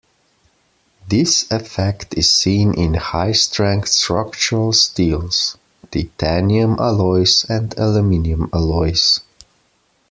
This effect is seen in high strength structural steels, titanium alloys and aluminium alloys.